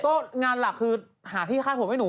ก็งานหลักคือหาที่คาดผมให้หนู